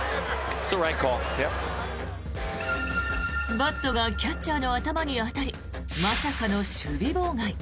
バットがキャッチャーの頭に当たりまさかの守備妨害。